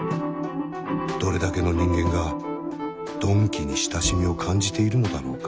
どれだけの人間が「鈍器」に親しみを感じているのだろうか。